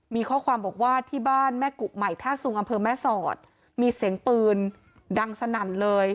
มีข้อความบอกว่าที่บ้านแม่กุใหม่ท่าสุงอำเภอแม่สอดมีเสียงปืนดังสนั่นเลย